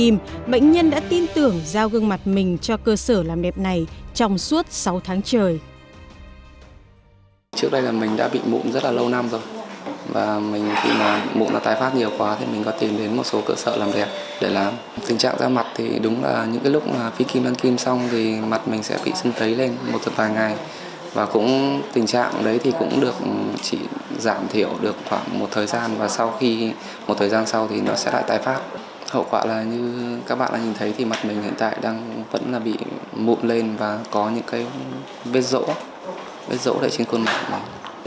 mình hiện tại đang vẫn là bị mụn lên và có những cái vết rỗ vết rỗ lại trên khuôn mặt này